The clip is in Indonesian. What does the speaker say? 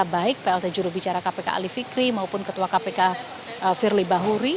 baik plt juru bicara kpk alif fikri maupun ketua kpk firly bahuri